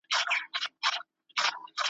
زه نه سر لاری د کوم کاروان یم !.